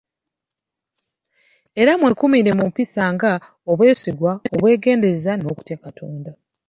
Era weekuumire mu mpisa nga; obwesigwa, obwegendereza n'okutya Katonda.